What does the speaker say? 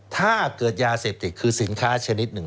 ถ้าเกิดยาเสพติดคือสินค้าชนิดหนึ่ง